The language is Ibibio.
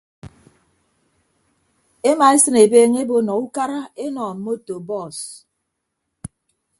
Emaesịn ebeeñe ebo nọ ukara enọ mmoto bọọs.